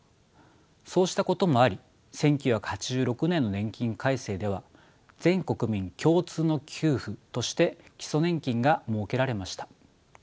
そうしたこともあり１９８６年の年金改正では全国民共通の給付として基礎年金が設けられました。